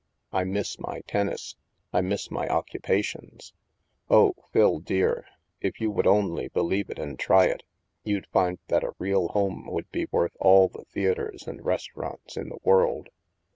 I miss my tennis. I miss my oc cupations. Oh, Phil dear, if you would only be lieve it and try it, you'd find that a real home would be worth all the theatres and restaurants in the world."